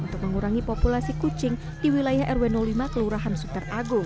untuk mengurangi populasi kucing di wilayah rw lima kelurahan suter agung